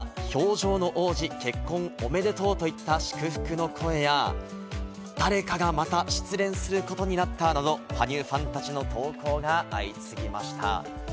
コメント欄には、「氷上の王子、結婚おめでとう」といった祝福の声や、「誰かがまた失恋することになった」など、羽生ファンたちの投稿が相次ぎました。